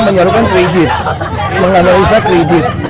menyalurkan kredit menganalisa kredit